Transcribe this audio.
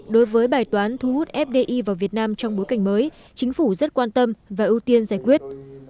đối với bài toán thu hút fdi vào việt nam trong bối cảnh mới chính phủ rất quan tâm và ưu tiên giải quyết